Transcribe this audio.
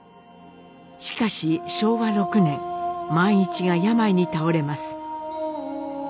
しかし昭和６年萬一が病に倒れます。